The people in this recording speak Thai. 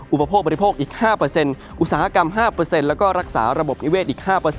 อุปโภคบริโภคอีก๕อุตสาหกรรม๕แล้วก็รักษาระบบนิเวศอีก๕